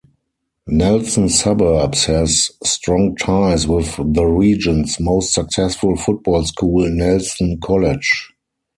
Nelson Suburbs has strong ties with the region's most successful football school Nelson College.